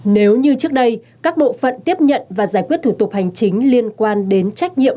nếu như trước đây các bộ phận tiếp nhận và giải quyết thủ tục hành chính liên quan đến trách nhiệm